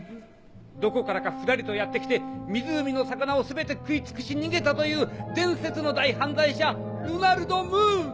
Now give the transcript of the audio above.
どこからかフラリとやって来て湖の魚を全て食い尽くし逃げたという伝説の大犯罪者ルナルド・ムーン！